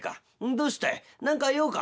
どうしたい何か用か？」。